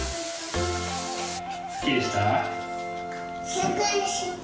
すっきりした？